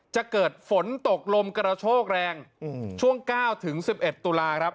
จะเกิดฝนตกลมกระโชกแรงช่วง๙๑๑ตุลาครับ